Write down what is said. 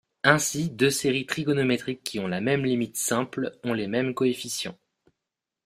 Ainsi deux séries trigonométriques qui ont la même limite simple ont les mêmes coefficients.